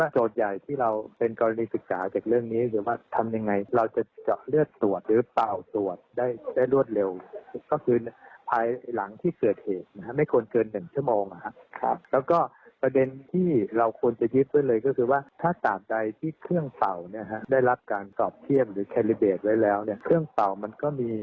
จุดของเหตุผ่านไปแล้วเครื่องเป่ามันก็มี